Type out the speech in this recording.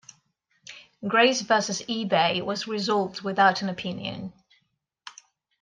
Grace versus eBay was resolved without an opinion.